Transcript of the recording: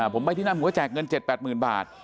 ผมไปที่นั่นผมก็แจกเงิน๗๘๐๐๐บาท